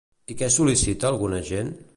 I què sol·licita alguna gent?